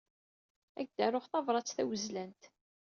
Ad ak-d-aruɣ tabṛat tawezlant.